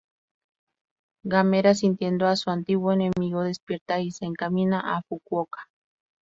Gamera, sintiendo a su antiguo enemigo, despierta y se encamina a Fukuoka.